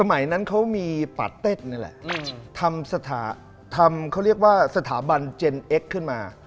อ่านี่ครับผม